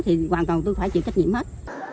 thì hoàn toàn tôi phải chịu trách nhiệm hết